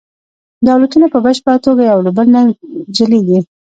دولتونه په بشپړه توګه یو له بل نه جلیږي